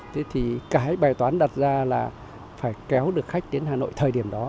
thế thì cái bài toán đặt ra là phải kéo được khách đến hà nội thời điểm đó